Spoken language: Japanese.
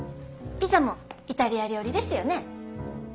ピザもイタリア料理ですよね。